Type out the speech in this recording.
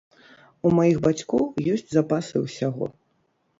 У маіх бацькоў ёсць запасы ўсяго!